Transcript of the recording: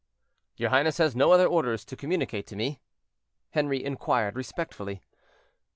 "Your highness has no other orders to communicate to me?" Henri inquired, respectfully.